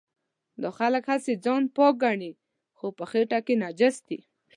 دا خلک هسې ځان پاک ګڼي خو په خټه کې نجس دي.